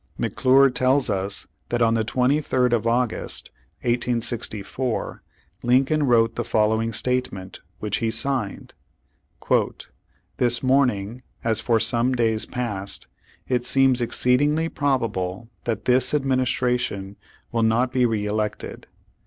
McClure tells us that on the 23d of August, 1864, Lincoln wrote the following statement, which he signed : "This morning, as for some days past, it seems exceed ingly probable that this administration will not be re elected.